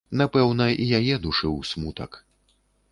Напэўна, і яе душыў смутак.